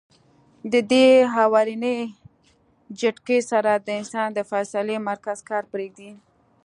د دې اولنۍ جټکې سره د انسان د فېصلې مرکز کار پرېږدي -